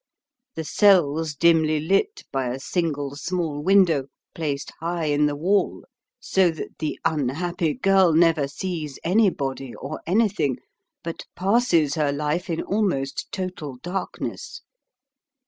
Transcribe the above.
The cell's dimly lit by a single small window, placed high in the wall, so that the unhappy girl never sees anybody or anything, but passes her life in almost total darkness.